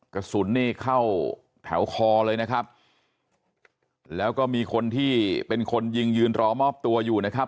กระสุนนี่เข้าแถวคอเลยนะครับแล้วก็มีคนที่เป็นคนยิงยืนรอมอบตัวอยู่นะครับ